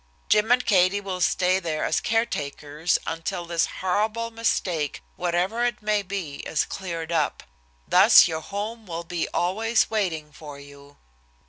Jim and Katie will stay there as caretakers until this horrible mistake, whatever it may be, is cleared up. Thus your home will be always waiting for you."